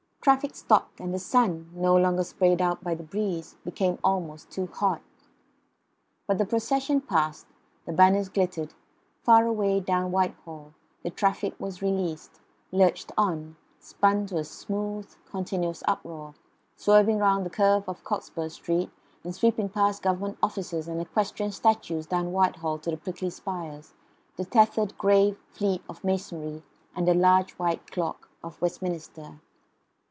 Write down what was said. The traffic stopped, and the sun, no longer sprayed out by the breeze, became almost too hot. But the procession passed; the banners glittered far away down Whitehall; the traffic was released; lurched on; spun to a smooth continuous uproar; swerving round the curve of Cockspur Street; and sweeping past Government offices and equestrian statues down Whitehall to the prickly spires, the tethered grey fleet of masonry, and the large white clock of Westminster.